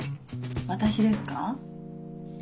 私ですか？